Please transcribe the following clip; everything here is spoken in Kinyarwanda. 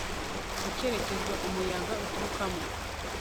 mu cyerekezo umuyaga uturukamo